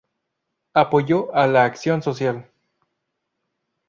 Apoyó a la acción social.